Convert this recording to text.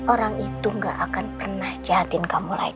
orang itu gak akan pernah jahatin kamu lagi